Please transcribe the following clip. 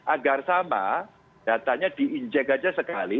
agar sama datanya di inject saja sekali